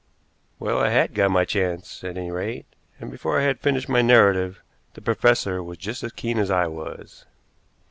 Well, I had got my chance, at any rate, and before I had finished my narrative the professor was just as keen as I was.